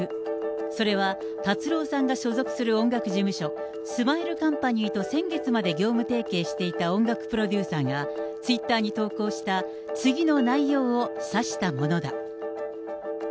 それは達郎さんが所属する音楽事務所、スマイルカンパニーと先月まで業務提携していた音楽プロデューサーが、ツイッターに投稿した次の内容を指したものだ。